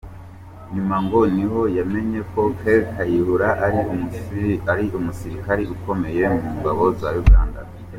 Nyuma ngo niho yamenye ko Kale Kayihura ari umusilikare ukomeye mu ngabo za Uganda.